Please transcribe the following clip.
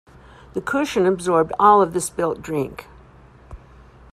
The cushion absorbed all of the spilt drink.